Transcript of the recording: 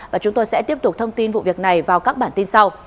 và chúng tôi sẽ tiếp tục thông tin vụ việc này vào các bản tin sau